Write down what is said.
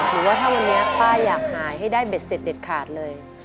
หรือว่าถ้าวันนี้ป้าอยากหายให้ได้เบ็ดเสร็จเด็ดขาดเลย